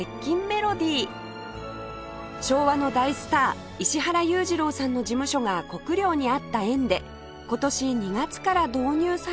昭和の大スター石原裕次郎さんの事務所が国領にあった縁で今年２月から導入されたのは